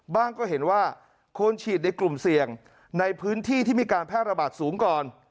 ก็เห็นว่าควรฉีดในกลุ่มเสี่ยงในพื้นที่ที่มีการแพร่ระบาดสูงก่อน